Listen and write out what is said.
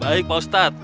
baik pak ustadz